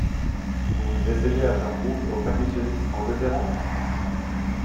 Vous vous essayez à faire honte au percussionniste en déshérence.